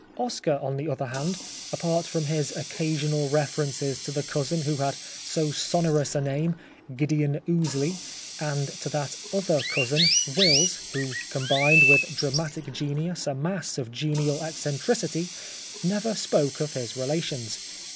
Oscar, on the other hand, apart from his occasional references to the cousin who had so sonorous a name, Gideon Ouseley, and to that other cousin, Wills, who combined with dramatic genius a mass of genial eccentricity, never spoke of his relations.